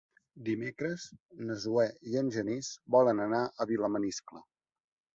Dimecres na Zoè i en Genís volen anar a Vilamaniscle.